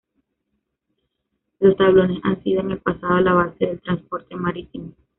Los tablones han sido en el pasado, la base del transporte marítimo.